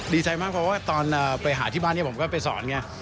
ดีใจมากเพราะว่าตอนไปหาที่บ้านนี้ผมก็ไปสอนไง